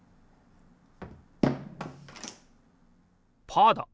パーだ！